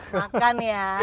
wah makan ya